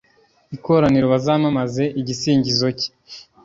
ikoraniro bazamamaze igisingizo cye.